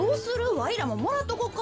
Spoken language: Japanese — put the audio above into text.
わいらももらっとこか。